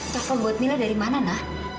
telepon buat mila dari mana ma